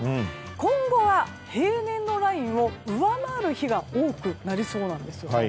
今後は平年のラインを上回る日が多くなりそうなんです。